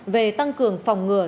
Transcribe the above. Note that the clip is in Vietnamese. về tăng cường phòng ngừa